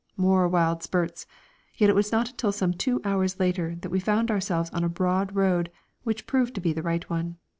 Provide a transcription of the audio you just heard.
More wild spurts! Yet it was not until some two hours later that we found ourselves on a broad road, which proved to be the right one.